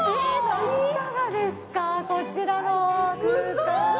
いかがですかこちらの空間。